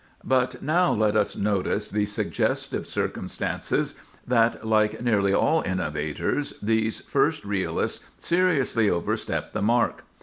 But now let us notice the suggestive circumstance that, like nearly all innovators, these first realists seriously overstepped the mark.